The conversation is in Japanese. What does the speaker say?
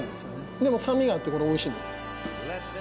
でも酸味があってこれおいしいんです。